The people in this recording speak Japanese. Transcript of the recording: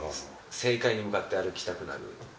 正解に向かって歩きたくなる。